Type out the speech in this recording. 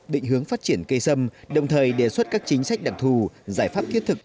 định hướng phát triển cây sâm đồng thời đề xuất các chính sách đặc thù giải pháp kỹ thực